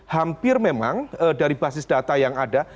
hampir memang dari basis data yang ada